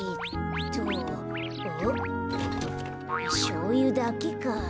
しょうゆだけか。